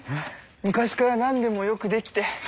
昔から何でもよくできて。